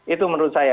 itu menurut saya